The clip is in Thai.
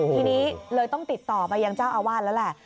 ทีนี้เลยต้องติดต่อไปยังเจ้าอาวาสแล้วแหละ